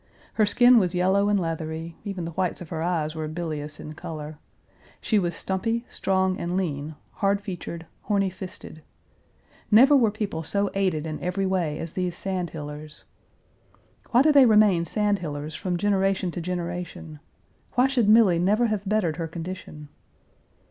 Her skin was yellow and leathery, even the whites of her eyes were bilious in color. She was stumpy, strong, and lean, hard featured, horny fisted. Never were people so aided in every way as these Sandhillers. Why do they remain Sandhillers from generation to generation? Why should Milly never have bettered her condition?